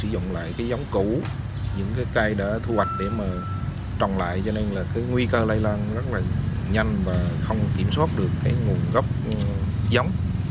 để mà trồng lại cho nên là cái nguy cơ lây lan rất là nhanh và không kiểm soát được cái nguồn gốc giống